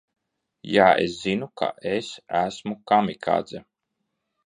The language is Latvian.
"Jā, es zinu, ka es esmu "kamikadze"."